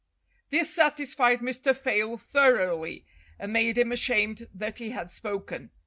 This satisfied Mr. Fayle thoroughly, and made him ashamed that he had spoken.